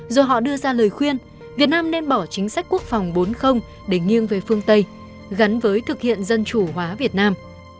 rồi họ đưa ra lời khuyên việt nam nên bỏ chính sách quốc phòng bốn để nghiêng về phương tây gắn với thực hiện dân chủ hóa việt nam